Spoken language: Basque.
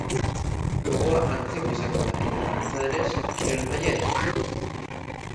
Gogoa antzeko izango da eta, antza denez, kirol maila ere bai.